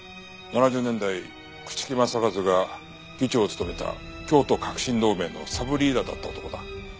７０年代朽木政一が議長を務めた京都革新同盟のサブリーダーだった男だ。